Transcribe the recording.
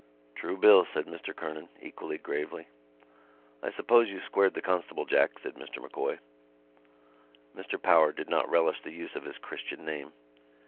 "True bill," said Mr Kernan, equally gravely. "I suppose you squared the constable, Jack," said Mr M'Coy. Mr Power did not relish the use of his Christian name.